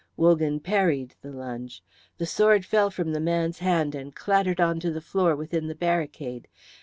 Wogan parried the lunge; the sword fell from the man's hand and clattered onto the floor within the barricade.